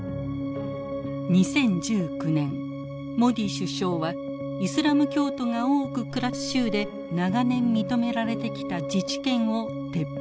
２０１９年モディ首相はイスラム教徒が多く暮らす州で長年認められてきた自治権を撤廃。